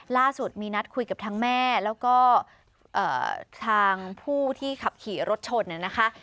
ล่าสุดมีนัดคุยกับทั้งแม่แล้วก็ทางผู้ที่ขับขี่รถชนนะคะ